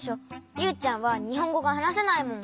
ユウちゃんはにほんごがはなせないもん。